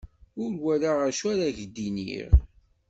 Ur walaɣ acu ar ak-d-iniɣ.